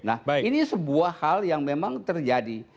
nah ini sebuah hal yang memang terjadi